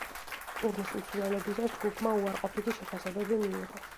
ტურნეს მსვლელობისას ჯგუფმა უარყოფითი შეფასებები მიიღო.